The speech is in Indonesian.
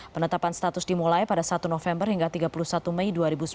penetapan status dimulai pada satu november hingga tiga puluh satu mei dua ribu sembilan belas